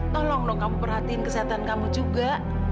tolong dong kamu perhatiin kesehatan kamu juga